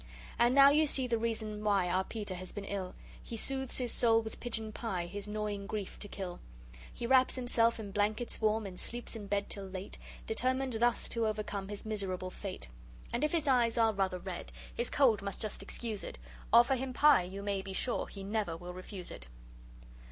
And now you see the reason why Our Peter has been ill: He soothes his soul with pigeon pie His gnawing grief to kill. He wraps himself in blankets warm And sleeps in bed till late, Determined thus to overcome His miserable fate. And if his eyes are rather red, His cold must just excuse it: Offer him pie; you may be sure He never will refuse it.